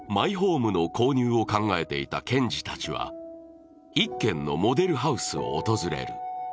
マイホームの購入を考えていた賢ニたちは一軒のモデルハウスを訪れる。